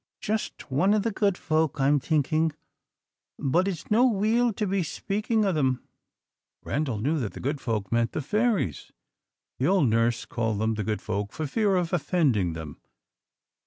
"Just one of the good folk, I 'm thinking; but it's no weel to be speaking o' them." Randal knew that the "good folk" meant the fairies. The old nurse called them the good folk for fear of offending them.